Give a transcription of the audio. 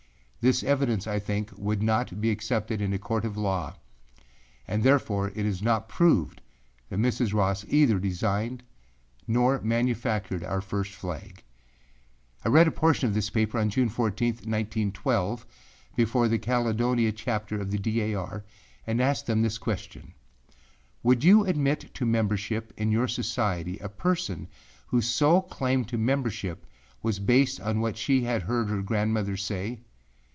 This evidence, I think, would not be accepted in a court of law, and therefore it is not proved that Mrs. Ross either designed or manufactured our first flag. I read a portion of this paper on June 14, 1912, before the Caledonia chapter of the D. A. R. and asked them this question, Would you admit to membership in your society a person whose sole claim to membership was based on what she had heard her grandmother say?